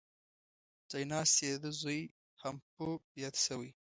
ځای ناست یې دده زوی هامپو یاد شوی.